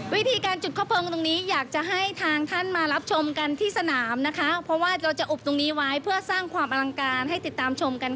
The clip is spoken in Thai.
วิธีการจุดควบเพลิงตรงนี้อยากจะให้ทางท่านมารับชมกันที่สนามนะคะ